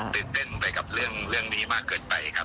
ตื่นเต้นไปกับเรื่องนี้มากเกินไปครับ